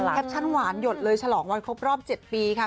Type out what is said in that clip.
แปปชั่นหวานหยดเลยฉลองวันครบรอบ๗ปีค่ะ